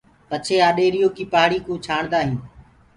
پڇي آڏيريٚ يو ڪيٚ پآڙي ڪوُ ڇآڻدآ هينٚ